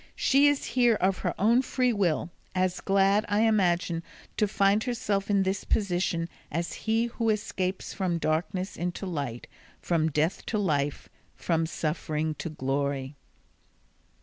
She is here of her own free will, as glad, I imagine, to find herself in this position as he who escapes from darkness into the light, from death to life, and from suffering to glory."